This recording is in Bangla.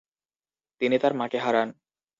তিনি তার মাকে হারান।